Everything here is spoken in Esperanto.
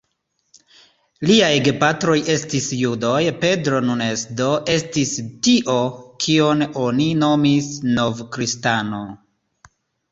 Liaj gepatroj estis judoj; Pedro Nunes do estis tio, kion oni nomis "nov-kristano".